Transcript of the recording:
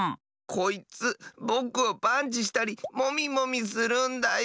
こいつぼくをパンチしたりモミモミするんだよ。